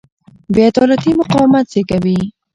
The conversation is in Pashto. بې عدالتي مقاومت زېږوي